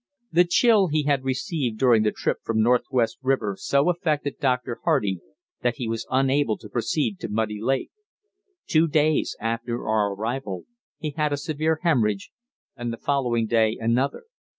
The chill he had received during the trip from Northwest River so affected Dr. Hardy that he was unable to proceed to Muddy Lake. Two days after our arrival he had a severe hemorrhage, and the following day another.